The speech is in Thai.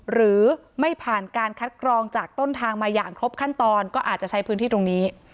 หรือไม่ผ่านการคัดกรองจากต้นทางมาอย่างครบขั้นตอนก็อาจจะใช้พื้นที่ตรงนี้